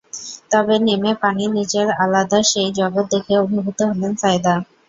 তবে নেমে পানির নিচের আলাদা সেই জগৎ দেখে অভিভূত হলেন সাঈদা।